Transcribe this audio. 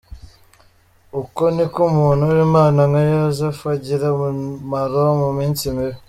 Uko niko umuntu w’Imana nka Yosefu agira umumaro mu minsi mibi.